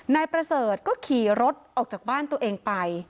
นายประเสริฐก็ขี่รถออกจากบ้านตัวเองไป